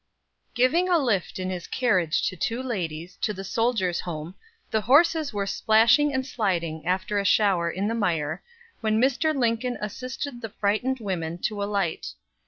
Giving a lift in his carriage to two ladies, to the Soldiers' Home, the horses were splashing and sliding after a shower in the mire, when Mr. Lincoln assisted the frightened women to alight.